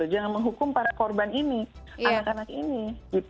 jangan menghukum para korban ini anak anak ini